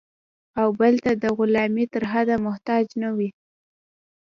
او بل ته د غلامۍ تر حده محتاج نه وي.